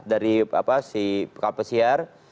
dari si kapesiar